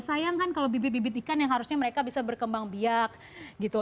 sayang kan kalau bibit bibit ikan yang harusnya mereka bisa berkembang biak gitu